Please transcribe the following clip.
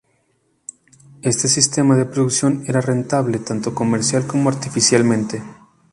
Este sistema de producción era rentable tanto comercial como artísticamente.